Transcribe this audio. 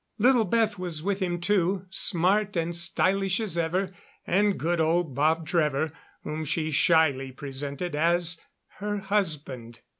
Little Beth was with him, too, smart and stylish as ever, and good old Bob Trevor, whom she shyly presented as her husband.